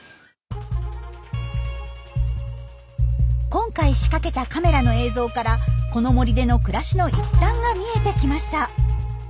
今回仕掛けたカメラの映像からこの森での暮らしの一端が見えてきました。